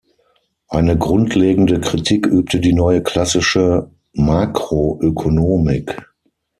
Eine grundlegende Kritik übte die Neue Klassische Makroökonomik.